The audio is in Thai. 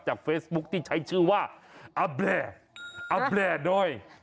จากเฟซบุ๊กที่ใช้ชื่อว่าอาแบร่อาแบร่ด้วย